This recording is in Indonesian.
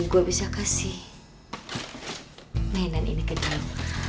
gue bisa kasih mainan ini ke dalam